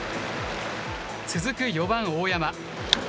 続く４番大山。